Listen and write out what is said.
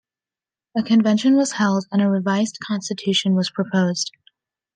A convention was held, and a revised constitution was proposed.